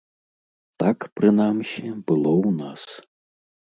Так, прынамсі, было ў нас.